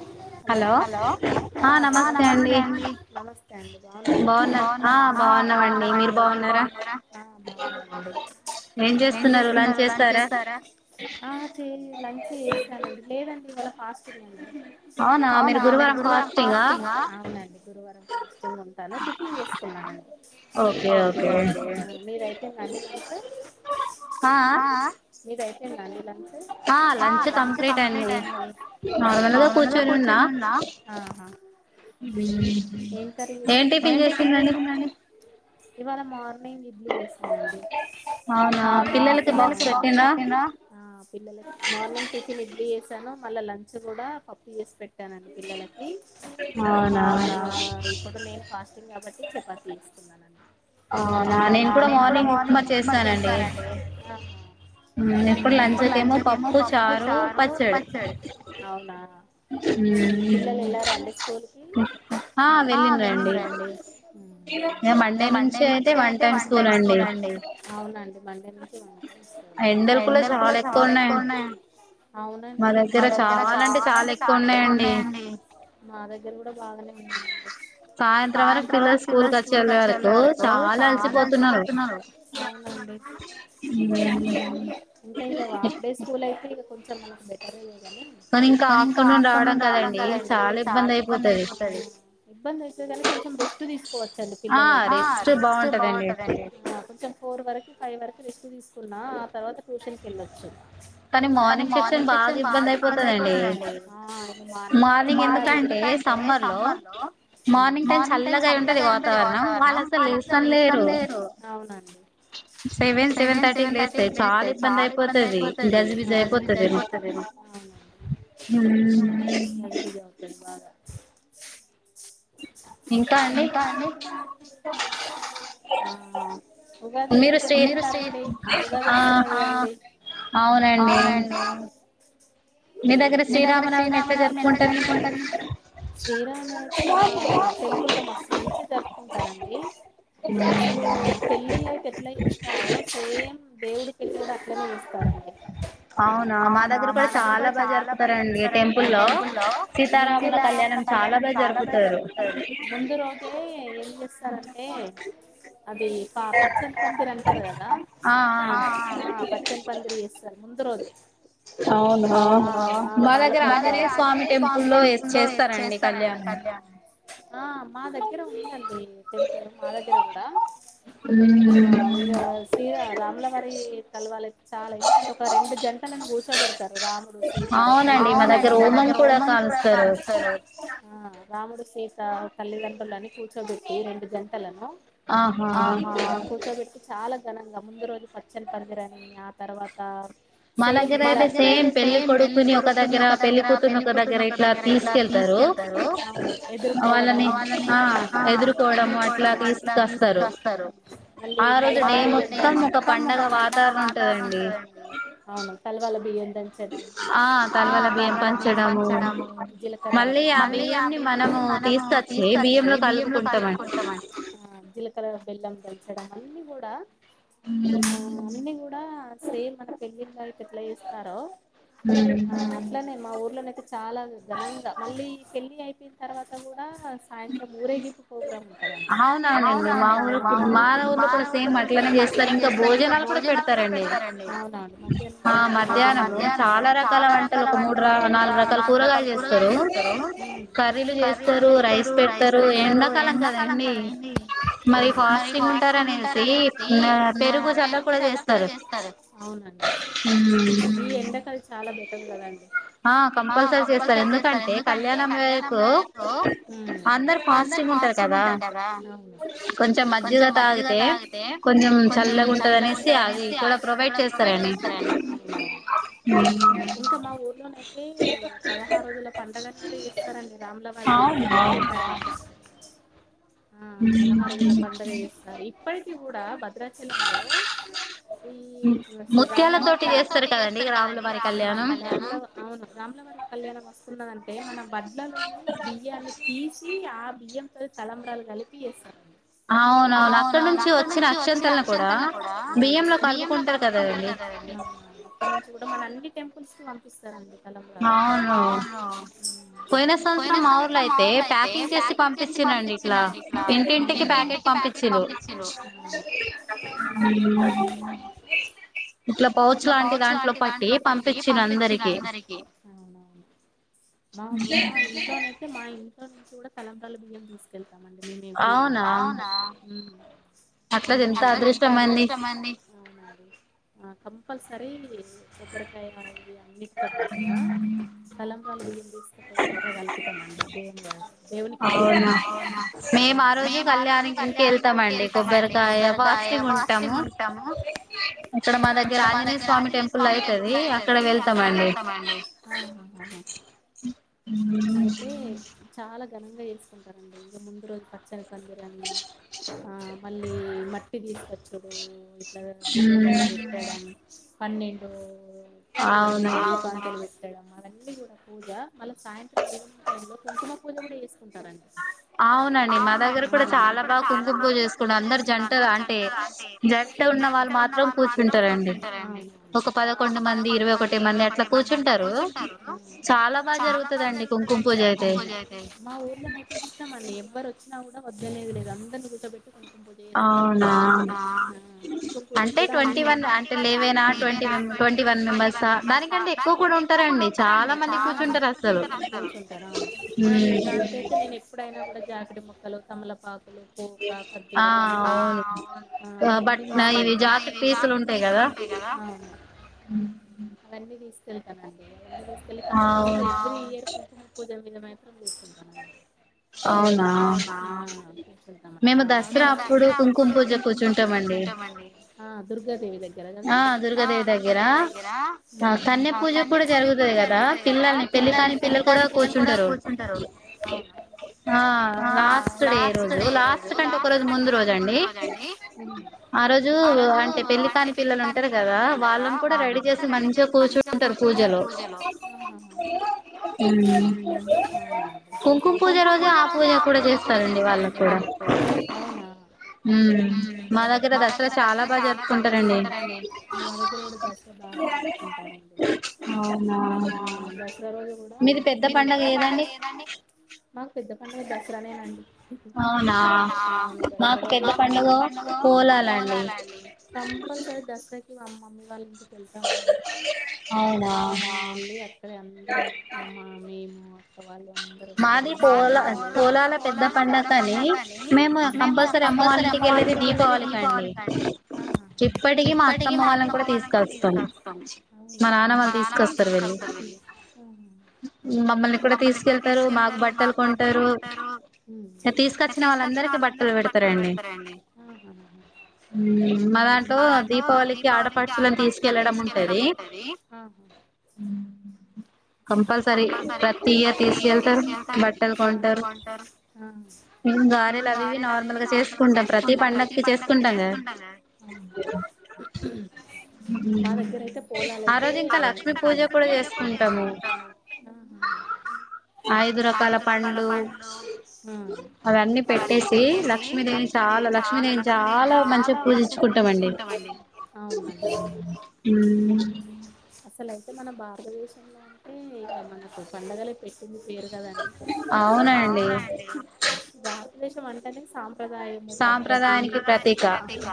Hello hello ఆ బాగున్నారా? ఆ నమస్తే అండి. నమస్తే అండి. బాగున్నారా? బాగున్న ఆ బాగున్నామండి మీరు బాగున్నారా? ఆ బాగున్నమండి. ఏం చేస్తున్నారు లంచ్ చేసార? ఆ చేయ లంచ్ చేశామండి. నెన్ ఇవాళ ఫాస్టింగ్ అండి అవున్ అవునా మీరు గురువారం ఫాస్టింగ్ ఆ? అవునండి గురువారం ఫాస్టింగ్ ఉంటాను. టిఫిన్ చేస్తాననండి. Okay okay. మీదైపోయిందా అండి లంచ్? ఆ ఆ మి మీదైపోయిందా అండి లంచ్? ఆ లంచ్ కంప్లీట్ అండి. ఆ నార్మల్గా కూర్చోనున్న. ఆహ హుమ్ ఏం కర్రీ చేశారండి? ఏం టిఫిన్ చేసిందండి? ఇవాళ మార్ మేమ్ ఇడ్లీ చేసానండి. అవునా పిల్లలకి బాక్స్ పెట్టిన్రా? ఆ పిల్లలకి మార్నింగ్ టిఫిన్ ఇడ్లీ చేసి టను మళ్ళ లంచ్ లో కూడ పప్పు చేసి పెట్ టానండి పిల్లలకి. అవునా! ఇంగ ఇప్పుడు నేను ఫాస్టింగ్ కాబట్టి! చపాతి చేసుకున్నాన్ అండి. అవునా, నేను కూడ మార్నింగ్ ఉప్మా చేసానండి. ఆహ మ్ ఇప్పుడు లంచ్ కేమో పప్పు, చారు, పచ్చడి. అవునా! మ్మ్. పిల్లలెళ్లార అండి స్కూల్ కి? ఆ వెళ్లిన్రండి. మ్ ఇగ మండే నుంచి అయితే వన్ టైం స్కూల్ అండి. అవునండి మండే నుంచి వన్ టైం ఎండలు కూడ చాల ఎక్కువ ఉన్నాయి. అవునండి ఎండ బాగ, మా దగ్గర చాల అంటే చాల ఎక్కువున్నాయండి. మా దగ్గర కూడ బాగనే ఉన్నాయండి. సాయంత్రం వరకు పిల్లలు స్కూల్ క వచ్చి వెళ్ళే వరకు చాలా అలిసిపోతున్నారు. అవునన్ మ్మ్ అంతే కదా అప్పుడే స్కూల్ అయి కొంచం మనకు బెటర్ లె గాని, కాని ఇంక ఆఫ్టర్నూన్ రావడం కదండి చాలా ఇబ్బంది అయిపోతది. ఇబ్బంది అయితది కానీ కొంచెం రెస్ట్ తీస్కో వచ్ అండి పిల్లలయితె. హ రెస్ట్ బాగుంటదండి. హ కొంచం ఫోర్ వర్ వరకి ఫైవ్ వరకు రెస్ట్ తీసుకున్నా ఆ తర్వాత ట్యూషన్ కెళ్ళొచ్చు కానీ మార్నింగ్ సెక్షన్ బాగా ఇబ్బంది అయిపోతుందండి ఆ మార్నింగ్ మాత్రం మార్నింగ్ ఎందుకండి సమ్మర్ లో మార్నింగ్ టైమ్ చల్లగా ఉంటది వాతావరణం వాళ్ళంతా లేస్తనే లేరు [inaudible] సెవెన్ సెవెన్ థర్టీకి లేస్తే చాలా ఇబ్బంది అయిపోతది గజి బిజి అయిపోతది ఉమ్ మంచిగా అవుతది బాగా ఇంకా అండి? ఆ ఉగాది ఎట్ల జరుపుకుంటారండి ఉగాది వస్తున్నది కదండి అవునండి మీ దగ్గర శ్రీరామనవమీ యెట్లా జరుపుకుంటరండి ఆ టెంపుల్లో మస్తు మంచిగా జరుపుకుంటారండి అసలు పెళ్ళిలైతే ఎట్లా చేస్తారో సేమ్ దేవుడు పెళ్ళి కూడా అట్లనే చేస్తారండి అ [inaudible] అవునా మా దగ్గర కూడా చాలా బా జరుపుతారండి టెంపుల్ లో సీతారాముల కళ్యాణం చాలా బాగా జరుపుతారు తరు ముందు రోజే ఎం చేస్తారంటే అది క-పచ్చని పందిరి అంటారు కదా ఆ పచ్చని పందిరి చేస్తారు ముందు దు రోజే మా మా దగ్గర ఆంజనేయ స్వామి టెంపుల్లో చేస్తారండి ఆ మా దగ్గర ఉందండి టెంపుల్ మా దగ్గర కూడా మన శ్రీరాముల వారి తలువాలతే చాలా ఎందుకంటే ఒక రెండు జంటల కూర్చోబెడతారు రాముడు సీత తల్లిదండ్రులు ఆ రాముడు సీత తల్లిదండ్రులని కూర్చోబెట్టి రెండు జంటలను ఆహా చాలా ఘనంగా ముందు రోజు పచ్చని పందిరని ఆ తర్వాత మా దగ్గర అయితే సేమ్ పెళ్ళి కొడుకుని ఒక దగ్గర పెళ్ళి కుతురిని ఒక దగ్గర ఇట్లా తీ తీసుకెళ్తారు వాళ్ళని ఆ ఎదురుకోవటము అట్లా తీసుకొస్తారు డే మొత్తం ఒక పండగ వాతావరణం ఉంటదండి ఆ తలువల బియ్యం పంచడం మళ్ళీ ఆ బియ్యం నీ మనము తీసుకచ్చి బియ్యం లో కలుపుకుంటాం దంచడం అన్ని కూడా అన్ని కూడా సేమ్ మన పెళ్లిలో ఎట్ల చేస్తారో అట్లానే మా ఊర్లోనైతే చాలా ఘనంగా మళ్ళీ పెళ్ళి అయిపోయిన తర్వాత కూడా సాయంత్రం ఊరేగింపు ప్రోగ్రాం ఉం అవునవునండి మా ఊరు మన ఊర్లో కూడా సేమ్ అట్లనే చేస్తారు ఇంకా భోజనాలు కూ పెడతారండి అవునానండి ఆ మధ్యాహ్నంలో చాలా రకాల వంటలు ఒక మూడు రా నాలుగు రకాల కూరగాయలు చేస్తారు కర్రీలు చేస్తారు రైస్ పెడతారు ఏం ఎండాకాలం కదండీ మరి ఫాస్టింగ్ ఉంటారు అనేసి పెరుగు చల్ల చల్ల కూడా చేస్తారు ఉమ్ ఆ కంపల్సరీ చేస్తారు ఎందుకంటే కళ్యాణం వేలకు అందరు పాస్టింగ్ ఉంటారు కదా కొంచెం మజ్జిగ తాగితే కొంచెం చల్ల గుంటదనేసి అది కూడా ప్రొవై డ్ చేస్తారండి ఈ పదహారు రోజుల పండుగని కూడా చేస్తారండి రాములవారికి అవునా ఉమ్ పదహారు రోజుల పండగ చేస్తారు ఇప్పటికి కూడా భద్రాచలంలో ఈ రాములవారి ముత్యాల తోటి చేస్తారట కాదండి. కళ్యాణం అవును రాముల వారి కళ్యాణం వస్తున్నదంటే మనం బడ్లలోని దాన్ని తీసి ఆ బియ్యంతో తలంబ్రాలు కలిపి చేస్తారు అవునవును అక్కడ నుంచి వచ్చిన అక్షంతలు ని కూడా బియ్యంలో కలుపుకుంటారు కదా అవును అప్పటి నుంచి కూడా మన అన్ని టెంపుల్స్ కి పంపిస్తారండి. తలంబ్రాలు ఆ ఆహా పోయిన సంవత్సరం మా ఊరిలో అయితే ప్యాకింగ్ చేసి పంపించిందండి ఇట్లా ఇంటింటికి ప్యాకెట్ పంపించి ఉమ్ ఇట్లా పౌచ్ లాంటి దాంట్లో పట్టి పంపించినా అందరికి అవునవును మా మా ఇంకా అయితే మా ఇంట్లో నుంచి కూడా తలంబ్రాలు బియ్యం తీసుకెళ్తాం చేస్తాం అండి మేము ఎవరీ ఇయర్ అవునా మేము అట్లాది ఎంత అదృష్టమండి ఆ కంపల్సరీ కొబ్బరికాయ ఇవి అన్నిటితో పాటుగా తలం వాళ్ళ ఊరికి తీసుకపోయి అక్కడగాల్పుతం అండి దేవునికే వెయ్యం అవునా మేము ఆరోజు కళ్యాణి వెళ్తామండి కొబ్బరికాయ ఫాస్టింగ్ ఉంటాము. ఇక్కడ మా దగ్గర ఆంజనేయ స్వామి టెంపుల్ అయితది అక్కడ వెళ్తాం అండి. అయితే చాలా ఘనంగా చేసుకుంటారండి ఇంకా ముందు రోజు పచ్చ ని పందిరని ఆ మళ్ళీ మట్టి తీసుకొచ్చుడు. ఇట్లా దివ్వలల్ల పెట్టడం పన్నెండు పన్నెండు దీపాంతలు పెట్టడం అవన్నీ కూడా పూజ మళ సాయంత్రం ఈవినింగ్ టైమ్ లో కుంకుమ పూజ కూడా చేసుకుంటారండి. అవునండి మా దగ్గర కూడా చాలా బాగా కుంకుమ పూజ చేసుకుంట అందరు జంటలు అంటే జంట న్న వాళ్ళు మాత్రం కూర్చుంటారండి ఒక పదకొండు మంది ఇరవై ఒకటి మంది అట్లా కూర్చుంటారు. చాలా చాలా బాగా జరుగుతుందండి కుంకుంపూజ అయితే మా ఊర్లో ఇష్టం అండి ఎవరు వచ్చినా కూడా వద్దనేది లేదు అందరిని కూర్చోబెట్టి పూజ చేస్తారు అవునా కుంకుమ పూజ కూడా అన్ని అంటే ట్వంటీ వన్ ఫ్యామిలీలు ఏవైనా ట్వంటీ ట్వంటీ వన్ మెంబర్స దానికంటే ఎక్కువ కూడా ఉంటారండి చాలా మంది కూర్చుంటారు అసలు కూర్చుంటారు అవును మనమిగ దేనికైతే నేను ఎప్పుడైనా కూడా జాకెట్ ముక్క ముక్కలు తమలపాకులు పోక కర్జూర పండు అవన్నీ తీసుకెళ్తాం బట్ట జాకెట్ పీసులు ఉంటాయి కదా హ అవన్నీ తీసు వెళ్తానండి అవన్నీ తీసుకెళ్ళి కంపల్సరీ ఎవ్రీ ఇయర్ కుంకుమపూజ మీద మాత్రం కూర్చుంటానండి అవునా మేము దసరా అప్పుడు కుంకుమ పూజ కూర్చుటామండి దుర్గాదేవి దగ్గర కదా దుర్గదేవి దగ్గరా పూజ కూడా జరుగుతది కదా పిల్లల్ని పెళ్లి కాని పిల్లలు కూడా కూర్చుంటారు. ఆ లాస్ట్ డే రోజు లాస్ట్ కంటే ఒక రోజు ముందు రోజూ అండి ఆ రోజు అంటే పెళ్లి కాని పిల్లలు ఉంటారు కదా వాళ్ళని కూడా రెడీ చేసి మంచిగా కూర్చుంటారు పూజలో కుంకుమ్ కుంకుమ పూజ రోజు ఆ పూజ కూడా చేస్తారండి వాళ్ళకి కూడా మా దగ్గర దసరా చాలా బాగా జరుపుకుంటారండి మా దగ్గర కూడా జరు బాగా జరుపుకుంటారండి అవునా పెద్ద రోజు కూడా మీ పెద్ద పండుగ ఏదండి మాకు పెద్ద పండుగ దసరానే అండి అవునా పెద్ద పండుగ పోలాల అండి కంపల్సరి దసరాకి మా మమ్మీ వాళ్ళ ఇంటికి వెళ్తామండి అవునా ఆ వెళ్లి అక్కడే అన్ని [unintelligible] మేము అక్క వాళ్ళు మాది పోలా పొలాల పెద్ద పండుగ కానీ మేము కంపల్సరీ అమ్మ వాళ్ల ఇంటికి వెళ్ళేది దీపావళికి అండి ఇప్పటికి మా అత్తమ్మ వాళ్ళని కూడా తీసుకొస్తాము మా నాన్న వాళ్ళు తీసుకొస్తారు వెళ్లి మమ్మల్ని కూడా తీసుకెళ్ తీసుకెళ్తారు మాకు బట్టలు కొంటారు తీసుకొచ్చిన వాళ్ళందరికి బట్టలు పెడతారండి ఓ హు మా దాంట్లో దీపావళికి ఆడపడుచులను తీసుకెళ్ళడం ఉంటది. కంపల్సరి ప్రతి ఇయర్ తీసుకే తీసుకెళ్తారు బట్టలు కొంటారు ఇం గారెలు అవివి నార్మల్ గా చేసుకుంటాం ప్రతి పండగకి చేసుకుంటాం కదా మా దగ్గర అయితే పోలాలు అయితే ఆరోజు ఇంకా లక్ష్మి పూజ కూడా ఉంటాము ఉమ్ ఐదు రకాల పండ్లు అవన్నీ పెట్టేసి లక్ష్మీదేవిని చాలా చాలా లక్ష్మీదేవిని చాలా మంచిగా పూజిస్తామండి ఉమ్ ఉహ్ ఇట్ల అయితే మన భారతదేశంలో అంటే ఇక మనకు పండగలు పెట్టింది వేరుకదండి అవునండీ భారతదేశం అంటేనే సామ్ సంప్రదాయము పద్ధతి సంప్రదాయానికి ప్రతీక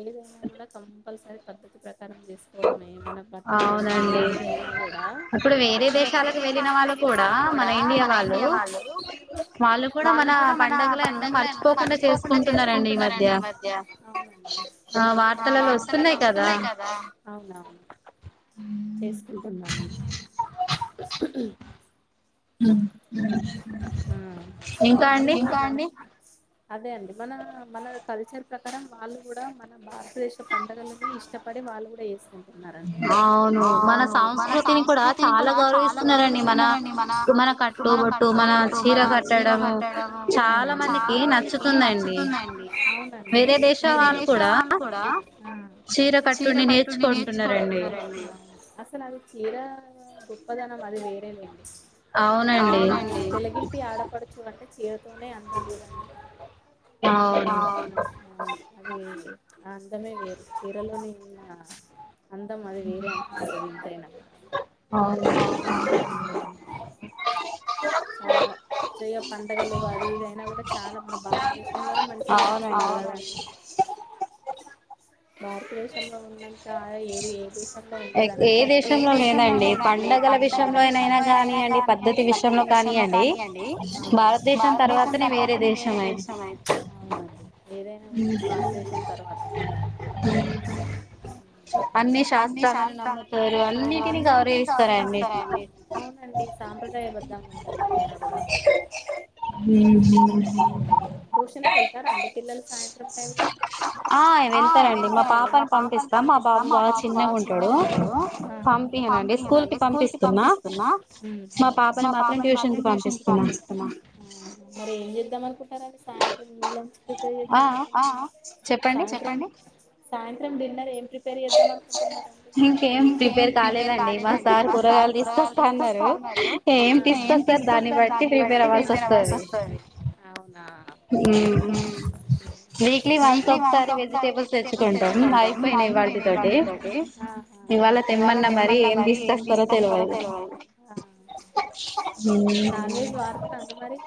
ఏదైనా కూడా కంపల్సరీ పద్ధతి ప్రకారం చేసుకోవడం ఏమైనా బట్టలైనా అవునండి కూడా అప్పుడు వేరే దేశాలకు వెళ్ళిన వాళ్ళు కూడా మన ఇండియా వాళ్ళు వాళ్ళు కూడా మన పండగలను మర్చిపోకుండా చేసుకుంటున్నారండి ఈ మధ్య ఆ వార్తలలో వస్తున్నాయి కదా అవును అవును [inaudible] హమ్ అవునండి ఇంకా అండి అదే అండి మన మన కల్చర్ ప్రకారం వాళ్ళు కూడా మన భారతదేశ పండగలని ఇష్టపడే వాళ్ళు కూడా చేసుకుంటా ఉన్నారా అండి అవును మన సంస్కృతిని కూడా చాలా గౌరవిస్తున్నారండి మన మన కట్టుబొట్టు మన చీర కట్టడం చాలా మందికి నచ్చుతున్నాయి అవునండి వేరే దేశ వాళ్ళు కూడా చీర కట్టుని నేర్చు కొంటున్నారండీ అసలు అది చీర గొప్పదనం అది వేరేలేండి అవునండి తెలగింటి ఆడపడుచు అంటే తోనే అందం కదండి అవునావును అది అందమే వేరు చీరలోని అందని అహా అందం అది వేరే అనిపిస్తది ఎంతైనా అవును ఆ పండగలు అది ఇదైనా కూడా చాలా మన భారతదేశం నువన్న మంచిగ చెప్పుకుంటవుకదండి భారతదేశంలో ఉన్నంత ఏది ఏ దేశం ఉంటదండి ఏ దేశంలో లేదండి పండగల విషయంలోనైనా కానీయండి పద్ధతి విష దంలో కానీయండి భారతదేశం తర్వాతనే వేరే దేశం అయిన ఏదైనా కూడా పాస్ చేసిన తర్వాతనే [unintelligible] అన్ని శాస్త్రాలను నమ్ముతారు అన్నిటిని గౌరవిస్తారండి ఒద్దు అని అంటారు ఏదైనా కూడా హామ్ ట్యూషన్ వెళ్తారా ఆండీ పిల్లలు సాయంత్రం టైం లో ఆ వెల్తరండి మా పాపాని పంపిస్తాం మా బాబు బా చిన్నగా ఉంటాడు పంపియన అండి స్కూల్ కి పంపి స్కూల్ కి పంపిస్తున్నా మా పాపని మాత్రం ట్యూషన్ కి పంపిస్తున్నా ఆహా మరి ఏం చే ఎలా అనుకుంటున్నారండీ సాయంత్రం నీల్ ప్రిపేర్ చేద్దాం ఆహ్ ఆహ్ చెపండి సాయంత్రం డిన్నర్ ఏం ప్రిపేర్ చేద్దాం అనుకుంటున్నారండీ ఇంకేం ప్రిపేర్ కాలేదండి మా సార్ కూరగాయలు తీసుకొస్తా మారారు ఏం తీసుకొస్తారు దాన్ని బట్టి ప్రిపేర్ అవ్వాల్సి వస్తది అవునా వీక్లీ వన్స్ ఒక్కసారి వెల్ టేబుల్స్ తెచ్చుకుంటాం అయిపోయినాయి ఇవాల్టితోని ఇవాళ తెమ్మన్నా మరి ఏంది తెస్తారా తెలవదు మ్యారేజ్ వాడతార అండి మరి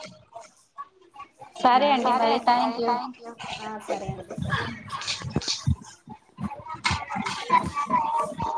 సరే అండి మరి థ్యాంక్ యూ ఆహ్ సరే అండి సరే [unintelligible]